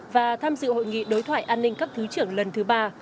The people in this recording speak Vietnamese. và tham dự hội nghị đối thoại an ninh cấp thứ trưởng lần thứ ba